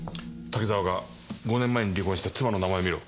滝沢が５年前に離婚した妻の名前を見ろ。